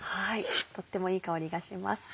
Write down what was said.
とってもいい香りがします。